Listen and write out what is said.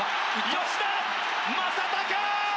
吉田正尚！